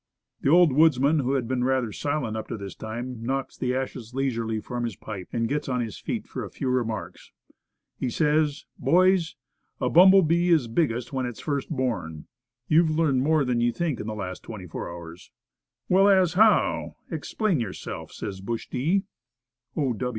The old woodsman, who has been rather silent up to this time, knocks the ashes leisurely from his pipe, and gets on his feet for a few remarks. He says, "Boys, a bumblebee is biggest when it's first born. You've learned more than you think in the last twenty four hours." "Well, as how? Explain yourself," says Bush D. O.